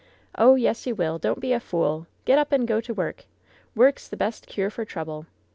"Oh, yes you will. Don't be a fool ! Get up and go to work. Work's the best cure for trouble.